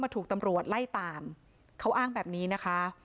ถูกตำรวจไล่ตามเขาอ้างแบบนี้นะคะ